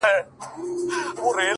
شکر د خدای په نعموتو کي چي تا وينم-